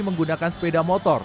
menggunakan sepeda motor